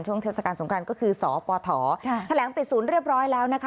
เทศกาลสงครานก็คือสปฐแถลงปิดศูนย์เรียบร้อยแล้วนะคะ